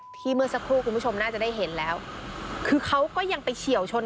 เมื่อสักครู่คุณผู้ชมน่าจะได้เห็นแล้วคือเขาก็ยังไปเฉียวชน